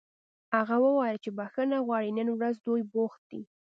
هغه وویل چې بښنه غواړي نن ورځ دوی بوخت دي